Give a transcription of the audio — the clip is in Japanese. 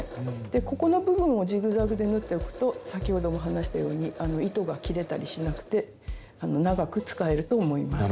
でここの部分をジグザグで縫っておくと先ほども話したように糸が切れたりしなくて長く使えると思います。